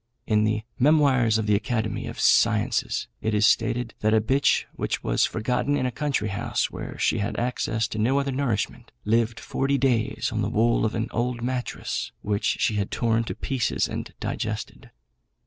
In the Memoirs of the Academy of Sciences it is stated, that a bitch which was forgotten in a country house, where she had access to no other nourishment, lived forty days on the wool of an old mattress which she had torn to pieces and digested.